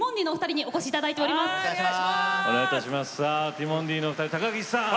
ティモンディのお二人高岸さん！